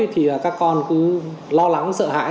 thì các con cứ lo lắng sợ hãi